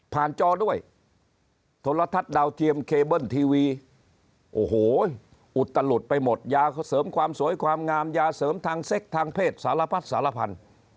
ผ่านจรด้วยทศทธาตุดาวเทียมเคเบิลทีวีอุตลอบหลุดไปหมดอยากสำความสวยความงามอยาเสริมทางเซ็คทางเพศสารพัดสารพัน